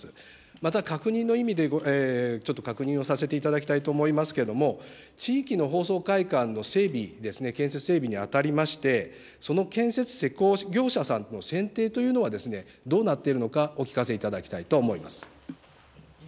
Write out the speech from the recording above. また、確認の意味で、ちょっと確認をさせていただきたいと思いますけども、地域の放送会館の整備ですね、建設整備にあたりまして、その建設施工業者さんの選定というのはどうなっているのか、お聞かせいただきたいと思います。